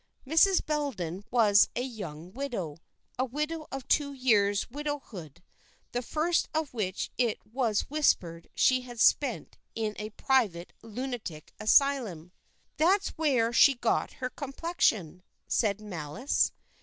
Mrs. Bellenden was a young widow, a widow of two years' widowhood, the first of which it was whispered she had spent in a private lunatic asylum. "That's where she got her complexion," said Malice.